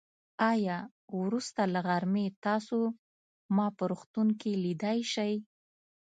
آيا وروسته له غرمې تاسو ما په روغتون کې ليدای شئ.